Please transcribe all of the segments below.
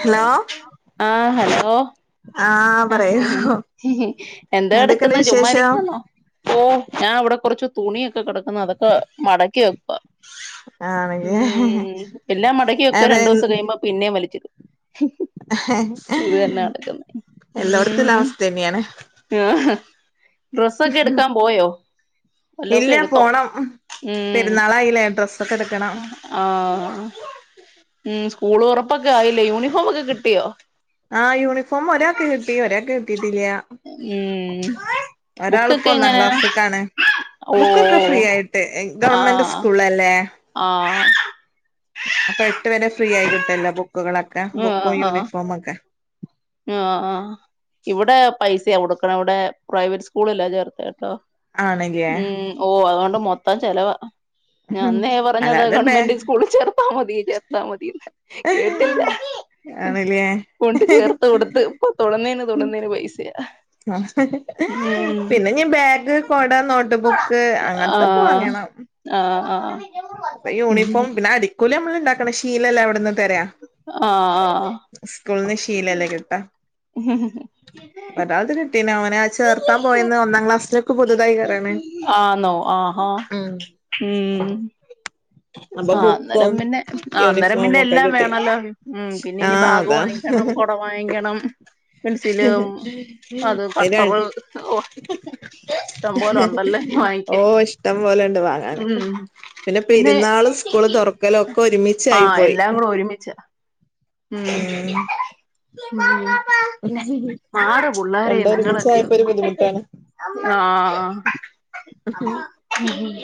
Hello ആഹ് hello ആഹ് ആഹ പറയൂ എന്താ എന്തൊക്കെണ്ട് എടുക്കുന്നെ വിശേഷം ചുമ്മാരിക്കുവാന്നോ? ഓഹ് ഞാൻ ഇവിടെ കുറച്ച് തുണിയൊക്കെ കെടക്കുന്നു അതൊക്കെ മടക്കി വെക്കുവ. ആണല്ലേ ഉം എല്ലാ മടക്കി വെക്ക അതെ രണ്ടുവസം കയ്യുമ്പോ പിന്നേം വലിച്ചിടും. ഇത് തന്നെ നടക്കുന്നെ എല്ലോടത്തുള്ള ഉം അവസ്ഥ തന്നെയാണ് ആഹാ ഡ്രസ്സൊക്കെ എടുക്കാൻ പോയോ? വല്ലതും ഒക്കെ ഇല്ല എടുത്തോ പോണം ഉം.. പെരുന്നാളായില്ലേ ഡ്രസ്സൊക്കെ എടുക്കണം ആഹ് ഉം സ്കൂള് തൊറപ്പൊക്കെ ആയിലെ യൂണിഫോം ഒക്കെ കിട്ടിയോ? ആഹ് യൂണിഫോം ഒരാക്ക് കിട്ടി ഒരാക്ക് കിട്ടിട്ടില്ല്യ ഉം ബുക്കൊക്കെ ഒന്നാം എങ്ങനാ ക്ലാസ്സ്ക്കാണ് ബുക്കൊക്കെ ഫ്രീ ഓഹ് ആയിട്ട് ആഹ് ആഹ്. അപ്പോ എട്ട് വരെ ഫ്രീ ആയി കിട്ടുവല്ലോ ബുക്കുകളൊക്കെ ആഹ് ബുക്കും ആഹ് യൂണിഫോം ഒക്കെ- ആഹ് ആഹ് ഇവിടെ പൈസയാ കൊടുക്കണെ ഇവടെ പ്രൈവറ്റ് സ്കൂളില ചേർത്തെ കേട്ടോ. ആണല്ലേ ഉം ഓഹ് അതോണ്ട് മൊത്തം ചെലവാ. ഞാൻ ഉം. അന്നേ പറഞ്ഞത അല്ലാതെ ബേ ഗവൺമെന്റ് സ്കൂളിൽ ചേർത്താ മതി ചേർത്താ മതീന്ന് കേട്ടില്ല. ആണല്ലേ കൊണ്ട് ചേർത്ത് കൊടുത്ത് ഇപ്പോ തൊടുന്നേന് തൊടുന്നേന് പൈസയാ. ആഹ് ഉം പിന്നെ ഇഞ് ബാഗ്, കൊട, നോട്ട് ബുക്ക് അങ്ങനത്തെ ഒക്കെ വാങ്ങണം. ആഹ് ആഹ് അപ്പ യൂണിഫോം പിന്നെ അടിക്കൂലി ഞമ്മള് ഇണ്ടാക്കണം ശീലല്ലേ അവിടന്ന് തെരാ ആഹ് ആഹ് ആഹ് സ്കൾന്ന് ശീലല്ലേ കിട്ടാ ഒരാൾത് കിട്ടിന് ഓനെ ചേർത്താം പോയന്ന് ഒന്നാം ക്ലാസ്സില് ആന്നോ ആഹ ആഹ് ഉം. അപ്പൊ ആഹ് അന്നേരം ബുക്കും പിന്നെ അന്നേരം യൂണിഫോമും പിന്നെ ഒക്കെ എല്ലാം കിട്ടി വേണല്ലോ ഉം പിന്നെ ഇനി ആഹ് ബാഗ് അതാ വാങ്ങി ക്കണം കൊട വാങ്ങിക്കണം. പെൻസിലും അത് അയിന് പത്തറുപത് ഓഹ് ഇഷ്ടം പോലെ ഒണ്ടല്ലോ ഓ വാങ്ങിക്കാൻ. ഇഷ്ടം ഉം പിന്നെ- പൊരുന്നാളും സ്കൂള് തുറക്കലും ഒക്കെ ഒരുമിച്ചായി പോയി. ഉം ഒരുമിച്ച- ഉം ഉം... പിന്നെ മാറ് പുള്ളാരേ രണ്ടും നിങ്ങളൊക്കെ ഒരുമിച്ചായപ്പോ ഒരു ഒന്ന്- ബുദ്ധിമുട്ടാണ് ആഹ്!... ഉം.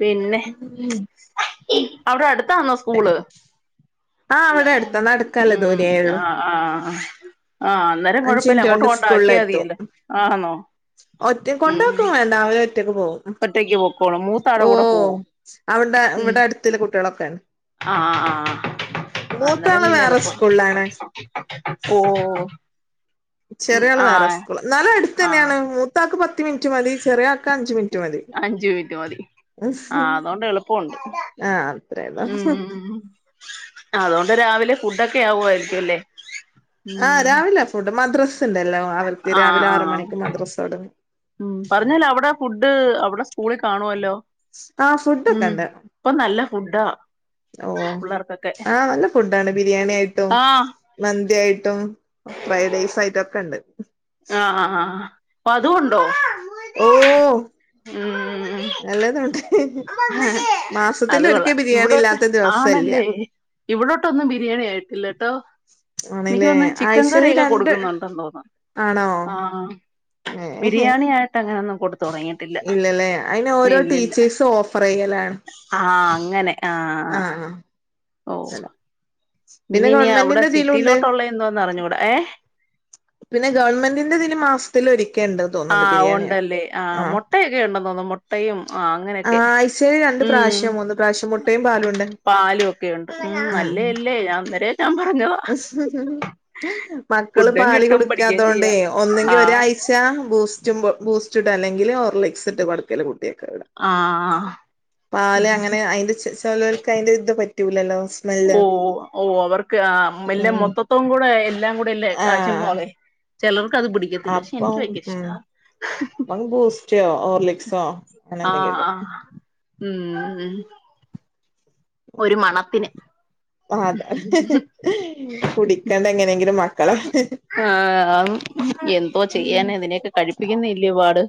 പിന്നെ അവ്ടെ അടുത്താന്നോ സ്കൂള്. ആഹ് അവടെ എടുത്താ. നടക്കാല്ലേ ഉം ദൂരെ ഉള്ളൂ. ആഹ് ആഹ്. ആഹ് അന്നേരം അഞ്ച് കൊഴപ്പല്ല. മിനിറ്റ് അങ്ങോട്ട് കൊണ്ട് കൊണ്ടാക്കിയാ സ്കൂളിലെത്തും തിയല്ലേ. ആന്നോ. ഒറ്റ ഉം കൊണ്ടാക്കും വേണ്ട. ഓന് ഒറ്റക്ക് പോകും. ഒറ്റയ്ക്ക് പൊക്കോളും മൂത്താടെ അം കൂടെ ഓഹ് പോവോ അവ്ടെ ഇവിടെ അടുത്ത്ള്ള കുട്ട്യളൊക്കെണ്. അഹ് അഹ് ആഹ് ആഹ് അന്നേരം വേറെ പിന്നെള്പ്പ. സ്കൂളിലാണ് ഓഹ് ചെറ്യാള് വേറെ സ്കൂള. ന്നാളുംഅടുത്ത ആഹ് ന്നെയാണ്. മൂത്താക്ക് പത്ത് മിൻറ്റ് മതി. ചെറ്യാ അഞ്ച് മിൻറ്റ് മതി. ആഹ്അതോണ്ട് എളുപ്പണ്ട്. ആഹ് ഉം അത്രേയുള്ളൂ അതോണ്ട് രാവിലെ ഫുഡൊക്കെ ആവുആയിരിക്കും ല്ലേ. ആഹ് രാവില ഫുഡ്. മദ്രസ്സ് ണ്ടല്ലോ അവർക്ക്. രാവിലെ ആറു മണിക്ക് മദ്രസ്സോ ഉം പറഞ്ഞാല് അവിടെ ഫുഡ്ഡ് അവ്ടെ സ്കൂളിൽ കാണുവല്ലോ? ആഹ ഫുഡ്ഡോക്കെ ഉം ണ്ട്. ഇപ്പൊ നല്ല ഫുഡാ ഓഹ് പിള്ളേർക്കൊക്കെ ആഹ് നല്ല ഫുഡ്ഡാണ്. ബിരിയാണിയായിട്ടും. ആഹ് മന്ത്യായിട്ടും ഫൈഡ്രൈസായിട്ടും ഒക്കെ ണ്ട്. ആഹ് അഹ് അഹ് പ്പൊ അതൂണ്ടോ. ഓഹ് ഉം നല്ലതക്കെ. അത് മാസത്തിലൊരിക്ക കൊള്ളാം ബിരിയാണി ഇല്ലാത്ത ദിവസ ല്യ. ഇവിടോട്ട്ന്നും ബിരിയാണി ആയിട്ടില്ല ട്ടൊ. എനിക്ക് ആണല്ലേ തോന്ന് ചിക്കൻ ആഴ്ചയില് കറി രണ്ട് കൊടുക്കുന്നുണ്ടന്ന് തോന്നുന്നു. ആണോ ആഹ് ആഹ് ബിരിയാണി ആയിട്ട ഞാൻ ന്ന് കൊടു ഇല്യ ലെ. അയിന് ഓരോ ടീച്ചേഴ്സും ഓഫറെയ്യലാണ്. ആഹ് അങ്ങനെ. ആഹ് ആഹ് ഓഹ് അല്ല പിന്നെ നി അവ്ടെ ഗവൺമെന്റിന്റെ ഇതിലുണ്ട് സിറ്റിയിലോട്ട്ള്ള എന്തോന്ന് അറിഞ്ഞൂട. ഏഹ് പിന്നെ ഗവൺമെന്റിന്റെതില് മാസത്തിലൊരിക്കേ ണ്ട്. ആഹ് ഉണ്ടല്ലേ. ആഹ് മുട്ടയൊക്കെ ഉണ്ടന്ന് തോന്നു. മുട്ടയും ആഹ് അങ്ങനെക്കെ. ആഹ് ആഴ്ചയിൽ രണ്ട് ഉം പ്രാവശ്യം മൂന്ന് പ്രാവശ്യം മുട്ടയും പാലുണ്ട് പാലൊക്കെണ്ട്. ഉം നല്ലേ ആഹ് ല്ലേ. ഞാ അന്നേര ഞാപറഞ്ഞൊ മക്കള് പാല് കൊടുക്കാത്തോണ്ടേ ചെയ്യാം ഒന്നെങ്കി ആഹ് ഒരാഴ് ച്ച ബൂസ്റ്റും ബൂസ്റ്റ് ട്ട് അല്ലെങ്കില് ഓർലിക്സ്ട്ട് കൊടക്കല് കുട്യേക് വിട ആഹ് ഉം പാല് അങ്ങനെ അയിന്റെ ചെ ചോലോൽക്ക് അയിന്റെ ഇത് പറ്റൂലല്ലോ. സ്മെല്ല് ഓഹ് ഓഹ് അവർക്ക് ആഹ് മെല്ലെ ഉം മൊത്തത്തവും കൂടെ എല്ലാം കൂടെ ല്ലേ കാച്ചൽ ആഹ് മോളെ. ചിലർക് അത് പിടിക്കത്തില്ല. പക്ഷെ എനിക്ക് ഭയര ഇഷ്ട. അഹ് ബൂസ്‌റ്റോ ഓർലിക്സോ അങ്ങനെ ആ എന്തെങ്കി ടും. ആ ഉം ഒരു മണം. ആതേ കുടിക്കാണ്ട് എങ്ങനെങ്കിലും മ ആഹ് എന്തോ ചെയ്യാനാ ഇതിനെയൊക്കെ കഴിപ്പിക്കുന്നയല്ല്യോ പാട്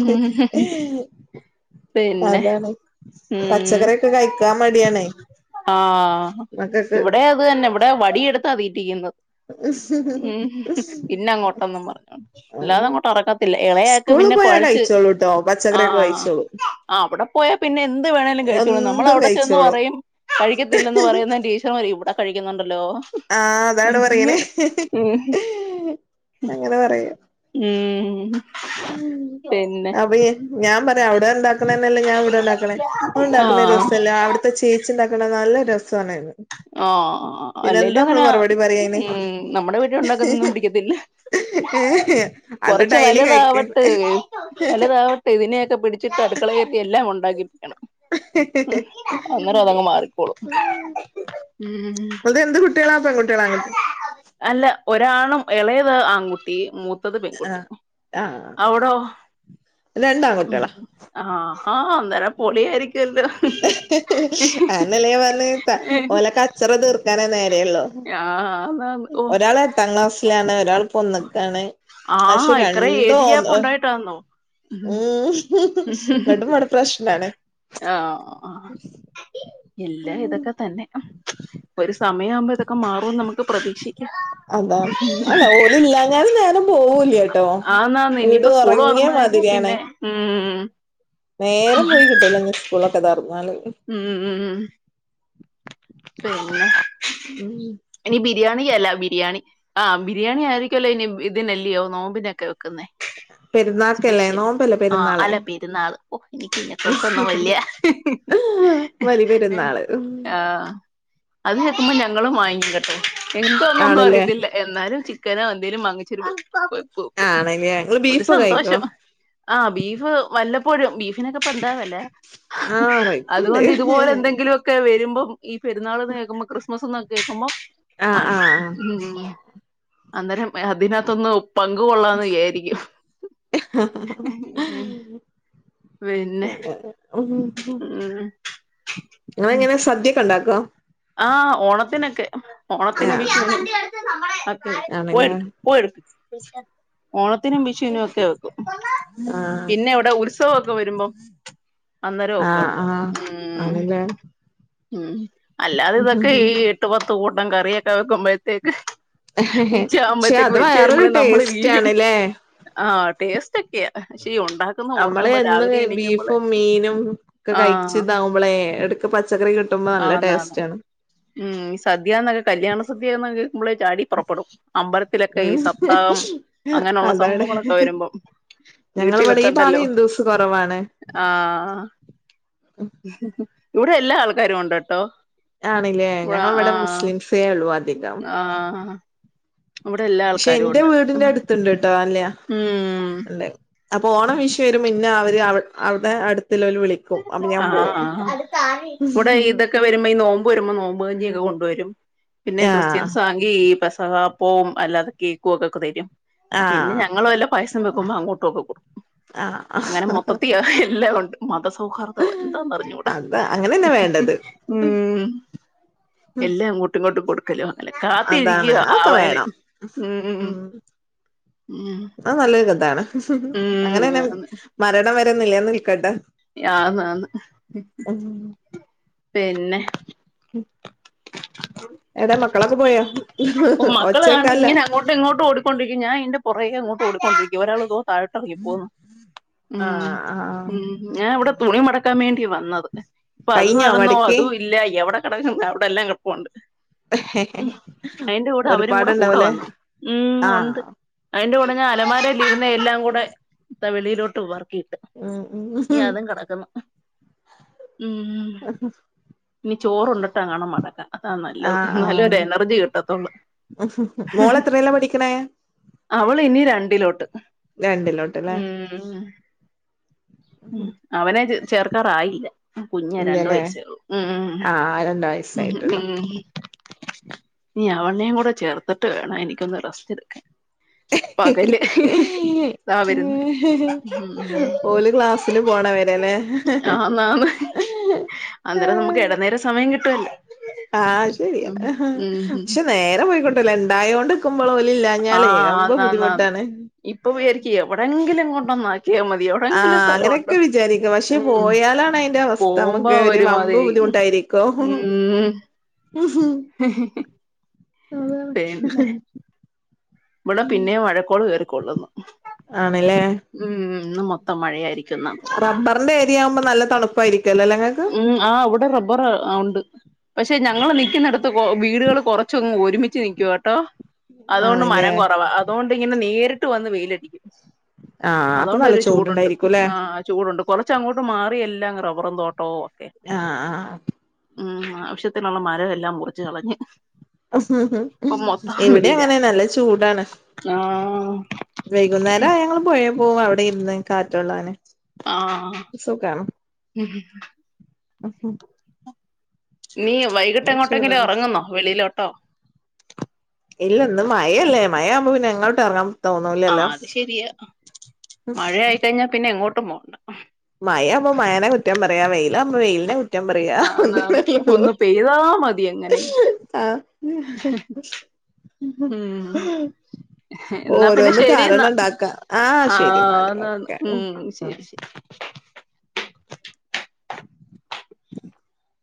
ഉം പിന്നെ അതാണ് പച്ചക്കറിയൊക്കെ കഴിക്കാൻ മടിയണേ ആഹ് ഇവിടെ അത് തന്നെ ഇവിടെ വടിയെടുത്താ തീറ്റിക്കുന്നത് ഉം തിന്നങ്ങോട്ടെന്നും പറഞ്ഞോണ്ട് ഇല്ലാതെ അങ്ങോട്ട് ഇറക്ക ല്ല ഇളയാക്ക് സ്കൂള് പിന്നെ പോയാ കൊഴച്ച് കഴിച്ചോളൂട്ടോ പച്ചക്കറിയൊക്കെ ആഹ് കഴിച്ചോളൂ ആഹ് അവിടെ പോയാ പിന്നെ എന്ത് വേണേലും കഴിച്ചോളൂ നമ്മള എന്തും അവിടെ ചെന്ന് കഴിച്ചോളും പറയും കഴിക്കത്തില്ലന്ന് പറയുന്ന ടീ യും ഇവിടെ കഴിക്കുന്നുണ്ടല്ലോ ആഹ് അതാണ് ഉം പറയണേ ഉം അങ്ങനെ പറയും ഉം അപ്പയെ ഞാൻ പറയും അവിടെ ഉണ്ടാക്ക്ണേനല്ലേ ഞാ ഇവിടെ ഉണ്ടാക്കണെ മ്മ ഉണ്ടാക്കുന്ന ആഹ് രസല്ലാ അവിടത്തെ ചേച്ചി ച്ചിണ്ടാക്ക്ണെ നല്ലരസാണേന്ന് ആഹ് അല്ലേലും അങ്ങനാ പറയാ അയിന് ഉം നമ്മടെ വീട്ടി ഉണ്ടാക്കുന്നൊന്നും പിടിക്കത്തില്ല അന്നിട്ട് അയില് വല്താവട്ട് വല്താവട്ട് ഇതിനെയൊക്കെ പിടിച്ചിട്ട് അടുക്കളേ കേറ്റി എല്ലാം ഉണ്ടാക്കിപ്പിക്കണം ഹ, ഹ, ഹ. ഉം അന്നേരം അതങ്ങ് മാറിക്കോളും ഉം ഇങ്ങത് എന്ത് കുട്ടികളാ പെകുട്ടികളാ ആകുട്ടി അല്ല ഒരാണും എളേത് ആൺക്കുട്ടി മൂ ത്തത് പെൺക്കുട്ടി ആഹ് ആഹ് അവിടോ ഉം രണ്ടാൺകുട്ടികളാ ആഹ് ഹാ അന്നേരം പൊളിയായിരിക്കുവല്ലോ ആയന്നല്ലേ ഞാപറഞ്ഞ് ആഹ് ഓലെ കച്ചറ തീർക്കാനെ നേരെയൊള്ളൂ ആഹ് ആന്ന് ഒരാള് എട്ടാം ക്ലാസ്സിലാണ് ഒരാള് പ്പൊന്ന്ക്കാണ് പക്ഷെ ആഹ് ഇത്ര ഏജ് രണ്ടും ഗ്യാപ്പ് ഉണ്ടായിട്ടാന്നോ ഉം ന്നിട്ടുംവടെ പ്രശ്നാണ് ആഹ് എല്ലാ ഇതൊക്കെ തന്നെ ഒരു സമയാവുമ്പോ ഇതൊക്കെ മാറൂന്ന് നമുക്ക് പ്രതീക്ഷിക്കാം അതാണ് അല്ല ഓല് ഇല്ലാഞ്ഞാല് നേരം പോവൂലട്ടോ ആന്നാന്ന് വീട് ഇനിയിപ്പോ സ്കൂള് ഒറങ്യേ മാതി [inaudible] ഉം നേരം പോയി കിട്ടൂല ഞ്ഞി സ്കൂളൊക്കെ തൊറന്നാല് ഉം ഉം ഉം പിന്നെ ഉം ഇനി ബിരിയാണി അല്ല ബിരിയാണി ആഹ് ബിരിയാണി ആയിരിക്കല്ലോ ഇനി ഇതിനല്ല്യോ നോമ്പിനൊക്കെ വെക്കുന്നെ പെരുന്നാക്കല്ലേ സ്പെഷ്യല് നോമ്പല്ലേ ആഹ് പെരുന്നാള് അല്ല പെരുന്നാള് ഓ എനിക്ക് ഇനെകുറിച്ചൊന്നും വല്ല്യ ബലി പെരുന്നാള് ആഹ് അതിങ്ങെത്തുമ്പോ ഞങ്ങളും വാങ്ങിക്കും കേട്ടോ എന്താനൊന്നും ആണല്ലേ അറിയത്തില്ല എന്നാലും ചിക്കനോ എന്തേലും വാങ്ങിച്ചിരിക്കും വെക്കും ആണല്ലേ നിങ്ങള് ഒരു ബീഫ് കഴിക്കോ സന്തോഷം ആഹ് ബീഫ് വല്ലപ്പോഴും ബീഫിനക്കെപ്പ എന്താവെലാ ആഹ് റേറ്റ്ണ്ട് അതുകൊണ്ട് ഇതുപോലെ എന്തെങ്കിലൊക്കെ ക്കെ വെര്മ്പോ ഉം ഈ പെരുന്നാള്ന്ന് കേക്കുമ്പോ ക്രിസ്മസ്ന്ന് കേക്കുമ്പം ആഹ് ആയിശ് ആഹ് ഉം അന്നേരം ഏഹ് അതിനാത്ത്ന്നൊ പങ്ക് കൊള്ളാന്ന് വിയാരിക്ക്യും ഹ, ഹ, ഹാ. പിന്നെ അങ്ങനെ ഉം ഇങ്ങളെങ്ങനെ സദ്യക്കെ ഇണ്ടാക്കോ ആഹ് ഓണത്തിനൊക്കെ ഓണത്തിനും ആഹ് വിഷൂനും ഒക്കെ ആണല്ലേ [unintelligible] [unintelligible] ഓണത്തിനും വിഷൂനൊക്കെ [unintelligible] ആഹ് പിന്നെ ഇവ്ടെ ഉത്സവൊക്കെ വെരുമ്പം അന്നേരൊക്കെ ആഹ് ഒണ്ട് ആഹ് ഉം ആണല്ലേ ഉം അല്ലാതെ ഉം ഉം ഇതൊക്കെ ഉം. ഈ എട്ട് പത്ത് കൂട്ടം കറിയക്കെ വെക്കുമ്പഴത്തേക്ക് പക്ഷെ ഉച്ചയാവുമ്പഴത്തേക്കും അത് വെച്ച് വേറൊരു വെരുമ്പളേ നമ്മള് ടേസ്റ്റ് വീഴും ആണ്ല്ലേ ആഹ് ടേസ്റ്റൊക്കെയാ ശീ ഒണ്ടാ അമ്മള് എന്നുങ്ങനെ ബീഫും മീനും ഒക്കെ ആഹ് കഴിച്ച്താവുമ്പളെ എടക്ക് പച്ചക്കറി കി ആന്നാന്ന് ഉം സദ്യാന്നൊക്കെ കല്യാണ സദ്യാന്നൊക്കെ കേക്കുമ്പളെ ചാടി പൊറപ്പെടും അമ്പലത്തിലൊക്കെ ഈ ഉം സപ്താഹം അങ്ങനെ ഒള്ള അതാണ് സംഭവങ്ങളൊക്കെ വെരുമ്പം വീട്ടി ഞങ്ങളിവിടെ ഈ ഭാഗം വെക്കണ്ടല്ലോ ഹിന്ദൂസ് കുറവാണ് ആഹ് ഇവിടെ എല്ലാ ആൾക്കാരും ഉണ്ട്ട്ടോ ആണില്ലേ ഇവ ഞങ്ങളിവിടെ ആഹ് മുസ്ലിംസേ ഉള്ളൂ ആഹ് ഇവിടെ എല്ലാ ക്ഷേ ആൾക്കാരും ഇന്റെ ഉണ്ട് വീട്ന്റെ ഉം അട് ത്ത്ണ്ട്ട്ടോ [unintelligible] അപ്പൊ ഓണം വിഷു വെരുമ്പോ ഇന്നെ അവര് അവ അവ്ടെ അട്ത്ത്ല്ലോൽ വിളി ആഹ് ഇവ്ടെ ഇതൊക്കെ വെരുമ്പോ ഈ നോ മ്പ് വെരുമ്പോ നോമ്പ് കഞ്ഞിയൊക്കെ കൊണ്ടുവരും പിന്നെ ആഹ് ക്രിസ്ത്യസാണെങ്കി പെസവാ പോവും അല്ലാതെ കേക്കും അതൊക്കെ തരും പിന്നെ ആഹ് ഞങ്ങള് വല്ല പായസം വെക്കുമ്പോ അങ്ങോട്ടു ഒക്കെ കൊട് അങ്ങനെ ആഹ് മൊത്തത്തി എല്ലാം ഒണ്ട് മതസൗഹാർ ദൊ എന്താന്നർഞ്ഞൂടാ അത് അങ്ങനെന്നെ വേണ്ടത് ഉം ഉം എല്ലാ അങ്ങോ ട്ടും ഇങ്ങോട്ട് കൊടുക്കല് എല്ലാ അതാണ് കാത്തിരിക്ക്യാ അതൊക്കെ ആവാന് വേണം ഉം ഉം ഉം ഉം അഹ് നല്ലൊരു ഇതാണ് അങ്ങനെന്നെ ആന്ന് മരണം വരെ നിലനിൽക്കട്ടെ ആന്നാന്ന് ഉം പിന്നെ ഉം എവ്ടെ മക്കളൊക്കെ പോയോ ഒച്ചേക്കാല്ല ത് ഇങ്ങോട്ട് ഓടിക്കൊണ്ടിരിക്ക്യും ഞാൻ അയിന്റെ പൊറകെ ഇങ്ങോട്ട് ഓടിക്കൊണ്ടിരിക്ക്യും ഒരാള് ഇതോ താഴോ ട്ടറങ്ങി പോന്നു ഉം ആഹ് ആഹ് ഉം ഞാൻ ഇവടെ തുണി മടക്കാൻ വേണ്ടി വന്നത് ഇപ്പൊ അത് കഴിഞ്ഞോ നടന്നോ അതു മടക്കി യില്ല എവ്ടെ കെടക്കുന്ന് അവിടെ എല്ലാം കെടപ്പുണ്ട് ഉം അയിന്റെ കൂടെ അവരും കൂടെ കൂടെ ഒരുപാടുണ്ടാവൂലേ വന്ന് ഉം ഒണ്ട് ആഹ് അയിന്റെ കൂടെ ഞാൻ അലമാരേലിരുന്ന എല്ലാം കൂടെ ത വെളിയിലോട്ട് വർക്കിയിട്ട് ആഹ് ഉം ഇഞ്ഞ് ഉം അതും കടക്ക്ന്നു ഉം ഇനി ചോറുണ്ട്ട്ടങ്ങാണം മടക്കാ അതാ നല്ലത് ആഹ് ഇന്നാലൊരു ആഹ് എനർജി കിട്ടത്തൊള്ളു മോള് എത്രയിലാ പഠിക്കണേ അവള് ഇനി രണ്ടിലോട്ട് രണ്ടിലോട്ട്ല്ലേ ഉം ഉം ഉം അവനെ ചേർക്കാറായില്ല കുഞ്ഞാ രണ്ട് ഇല്ലല്ലേ വയസേ ഒള്ളു ഉം ആഹ് രണ്ട് ഹും ഉം വയസ്സായിട്ടുള്ളു ഇനി അവനേം കൂടെ ചേർത്ത്ട്ട് വേണം എനിക്കൊന്ന് റസ്റ്റെടുക്കാൻ ദാ വരുന്ന് ഉം ഓല് ക്ലാ സ്ന് പോണ വരെ ലേ ആന്ന് ആന്ന് അന്നേരം നമുക്ക് ഇട നേരം സമയം കിട്ടുവല്ലോ ആഹ് ശരിയാ ഉം ഉം പക്ഷെ നേരം പോയികിട്ടൂല ഇണ്ടായോണ്ട്ക്കുബോള് ഓല് ഇല്ലാ ഞ്ഞാലേ വമ്പം ബുദ്ധിമുട്ടാണ് ഇപ്പം വിയാരിക്കെ എവിടെങ്കിലും കൊണ്ടൊന്നാ ക്കിയാ മതി എവിടെങ്കിലു ആഹ് സ്ഥലമുണ്ടോ അങ്ങനെയൊക്കെ വിചാരിക്കും പക്ഷെ ഉം പോയാലാണ് അയിന്റെ അവസ്ഥ പോവുമ്പോ നമുക്ക് ഒരു വമ്പ് ഒരുമാതിരി ഉം ഉം അതെ പിന്നെ ഇവിടെ പിന്നേം മഴക്കോട് കേറിക്കൊള്ളുന്നു ആണല്ലേ ഉം ഇന്ന് മൊ ത്തം മഴയായിരിക്കും എന്നാ തോന്നുന്ന് റബ്ബർന്റെ ഏരിയാവുമ്പം നല്ല തണുപ്പായിരിക്കും അല്ലെല്ല ഇങ്ങക്ക് ഉം ആഹ് ഇവിടെ റബ്ബർ ആഹ് ഉണ്ട് പക്ഷെ ഞങ്ങള് നിക്കുന്നിടത്ത് കൊ വീടുകൾ കുറച്ചൊങ്ങ് ഒരുമിച്ച് നിക്കുവാട്ടോ അതോണ്ട് ആണല്ലേ മരം കൊറവാ അതോണ്ട് ഇങ്ങനെ നേരിട്ട് വന്ന് വെയിലടിക്കും ആഹ് അപ്പൊ നല്ല അതോണ്ടൊരു ചൂടുണ്ട് ചൂടുണ്ടായിരിക്കുംല്ലേ ആഹ് ചൂടുണ്ട് കൊറച്ച് അങ്ങോട്ട് മാറി എല്ലാം റബറും തോട്ടവും ഒക്കെ ആഹ് ആഹ് അ ഉം ആവശ്യത്തിനുള്ള മരവെല്ലാം മുറിച്ച് കളഞ്ഞ്. ഇപ്പം മൊത്തം ഇവിടെ വെയില അങ്ങനെ നല്ല ചൂടാണ് ആഹ് വൈകുന്നേര ആയാൽ ഞങ്ങള് പൊയേ പോകും. അവിടെ ഇരുന്ന് കാറ്റൊള്ളാന്. ആഹ് സുഖാണ് ഉം ഉം ഹും ഹും നീ വൈകിട്ട് എങ്ങോട്ടെ എങ്കിലും ചൂടാണ് എറങ്ങുന്നോ വെളിയിലോട്ടോ ഇല്ല ഇന്ന് മയെല്ലേ മയയാവുമ്പോ പിന്നെ എങ്ങോട്ട് എറങ്ങാ ആഹ് അത് ശെരിയ. മഴ ആയി കഴിഞ്ഞാ പിന്നെ എങ്ങോട്ടും പോവണ്ട മഴാ ആവുമ്പം മഴനെ കുറ്റം പറയാ വെയിലാവുമ്പൊ വെയിലിനെ കുറ്റ് റ്റം പറയാ ആന്നാന്ന് ഒന്ന് പെയ്താ മതി എങ്ങനെങ്കി [unintelligible] ആഹ് ഉം ഇന്നാ പിന്നെ ഓരോന്ന് ശെരി ഇന്നാ കാരണം ഉണ്ടാക്കാം ആ ശരി എന്നാല് ആന്ന് ആന്ന് ഓക്കെ ഉം ആ ശരി [inaudible]